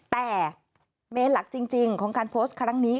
แต่เมนหลักจริงของการโพสต์ครั้งนี้